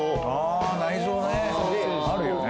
あー内臓ねあるよね